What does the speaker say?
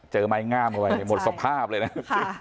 เจอไม้งามเอาไว้หมดสภาพเลยน่ะค่ะ